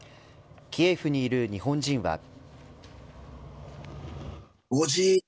キエフにいる日本人は。